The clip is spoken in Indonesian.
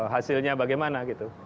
hasilnya bagaimana gitu